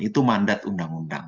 itu mandat undang undang